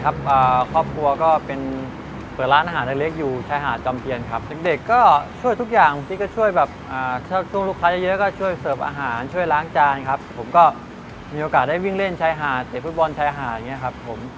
ประธานครอบครัวผมถูกเป็นมาตั้งแต่เด็กผู้เกิกเปิดร้านอาหารในชายหาดจอมเตียน